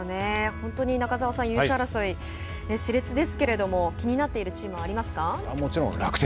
本当に中澤さん、優勝争いしれつですけれども気になっているチームはそれはもちろん楽天。